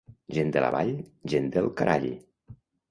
Gent de la Vall, gent del carall.